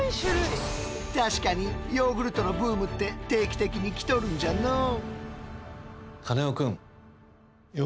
確かにヨーグルトのブームって定期的に来とるんじゃのう。